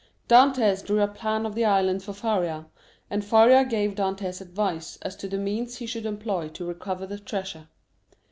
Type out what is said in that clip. Dantès drew a plan of the island for Faria, and Faria gave Dantès advice as to the means he should employ to recover the treasure.